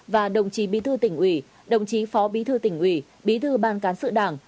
và đồng chí bí thư tỉnh ủy đồng chí phó bí thư tỉnh ủy bí thư ban cán sự đảng